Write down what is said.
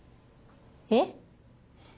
えっ？